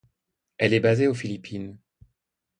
Elle est basée aux Philippines.